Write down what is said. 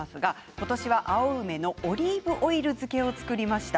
今年は青梅のオリーブオイル漬けを作りました。